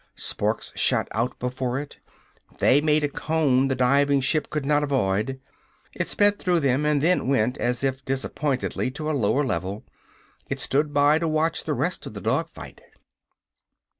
Sparks shot out before it. They made a cone the diving ship could not avoid. It sped through them and then went as if disappointedly to a lower level. It stood by to watch the rest of the dog fight.